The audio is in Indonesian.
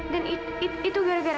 dan itu gara gara